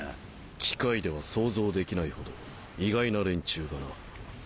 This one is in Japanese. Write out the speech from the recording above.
機械では想像できないほど意外な連中がな。